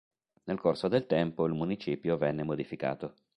Nel corso del tempo il municipio venne modificato.